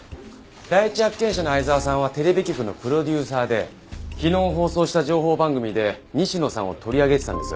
第一発見者の相沢さんはテレビ局のプロデューサーで昨日放送した情報番組で西野さんを取り上げてたんです。